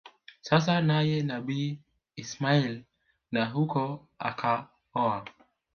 sasa naye Nabii Ismail na huko akaoa